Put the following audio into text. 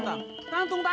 aku juga nggak tau